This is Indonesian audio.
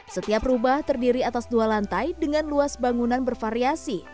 setiap rubah terdiri atas dua lantai dengan luas bangunan bervariasi